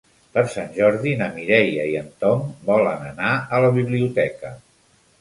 Per Sant Jordi na Mireia i en Tom volen anar a la biblioteca.